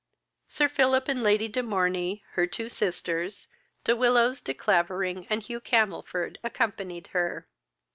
Sir Philip and Lady de Morney, her two sisters, De Willows, De Clavering, and Hugh Camelford accompanied her.